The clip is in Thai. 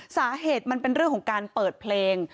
สาเหตุมันเป็นเรื่องของการเปิดเพลง